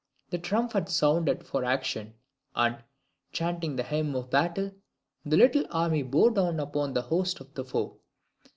The trumpet sounded for action, and, chanting the hymn of battle, the little army bore down upon the host of the foe.